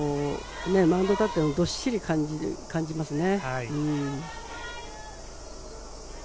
マウンドに立ってもどっしり感じますね。